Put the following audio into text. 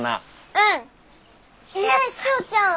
うん！ねえしおちゃん